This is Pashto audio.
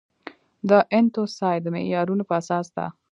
د انتوسای د معیارونو په اساس ده.